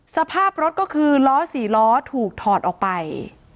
สภาพรถก็คือล้อ๔ล้อถูกถอดออกไป